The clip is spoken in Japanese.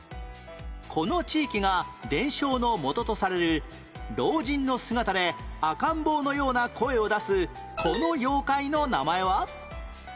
この地域が伝承の元とされる老人の姿で赤ん坊のような声を出すこの妖怪の名前は？